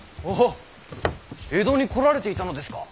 江戸に来られていたのですか。